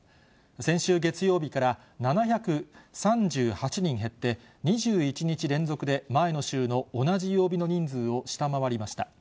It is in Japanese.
先週月曜日から７３８人減って、２１日連続で前の週の同じ曜日の人数を下回りました。